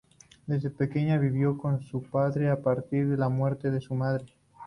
Desde pequeña, vivió con su padre a partir de la muerte de su madre.